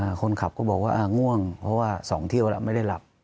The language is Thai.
คนขับก็บอกว่าอ่าง่วงเพราะว่าสองเที่ยวแล้วไม่ได้หลับ